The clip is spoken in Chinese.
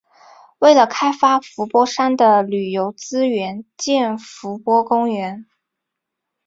为了开发伏波山的旅游资源建伏波公园。